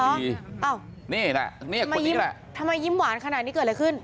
อ้าวนี่แหละนี่เมื่อกี้แหละทำไมยิ้มหวานขนาดนี้เกิดอะไรขึ้น